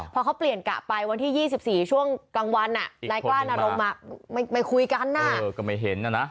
พอเขาเปลี่ยนกลับไปวันที่๒๔ช่วงกลางวันนายกล้านอารมณ์ไม่คุยกันนะ